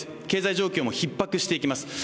経済状況もひっ迫していきます。